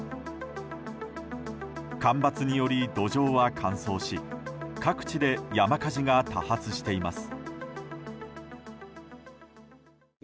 干ばつにより土壌は乾燥し各地で山火事が多発しています。